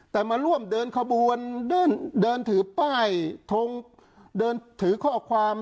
แต่มาร่วมเดินขบวนเดินถือป้ายทงเดินถือข้อความ